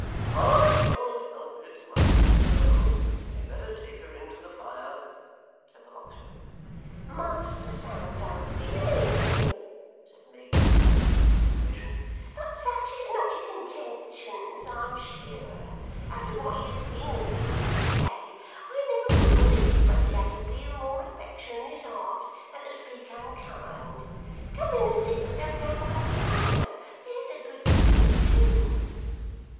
'I can't help it, my good girl. You had better take her in to the fire,' said the locksmith. 'Master sounds unfeeling, mim,' said Miggs, in a tone of commiseration, 'but such is not his intentions, I'm sure. After what he has seen of you this day, I never will believe but that he has a deal more affection in his heart than to speak unkind. Come in and sit yourself down by the fire; there's a good dear do.